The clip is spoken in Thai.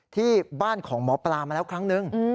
ที่บ้านของหมอปลามาแล้วครั้งนึง